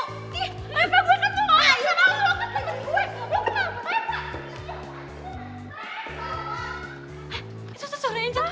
kayu ke gue kan lo ngorong sama aku lo ke temen gue lo kenapa